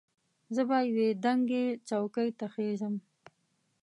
زه به یوې دنګې څوکې ته خېژم.